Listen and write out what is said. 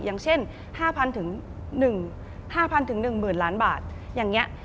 อย่างเช่น๕๐๐๑๐๐ล้านบาทอย่างนี้